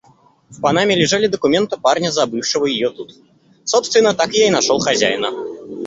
В панаме лежали документы парня, забывшего её тут. Собственно, так я и нашёл хозяина.